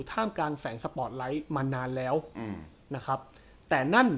ท่ามกลางแฝงสปอร์ตไลท์มานานแล้วอืมนะครับแต่นั่น